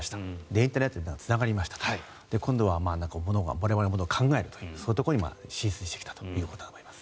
インターネットにつながりました今度は我々のように物事を考えるというそのところにまで進出してきたということだと思います。